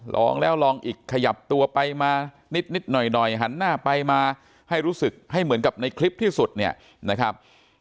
ลองแล้วลองอีกขยับตัวไปมานิดหน่อยหันหน้าไปมาให้รู้สึกให้เหมือนกับในคลิปที่สุดเนี่ยนะครับ